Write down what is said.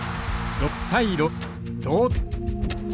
６対６同点。